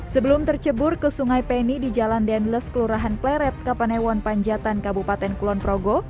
sebelum tercebur ke sungai penny di jalan denles kelurahan pleret kapanewon panjatan kabupaten kulon progo